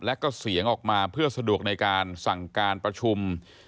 และก็เสียงออกมาเพื่อสะดวกในการสั่งการประชุม